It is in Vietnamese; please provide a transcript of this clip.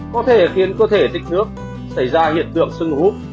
có thể khiến cơ thể tích nước xảy ra hiện tượng sưng hút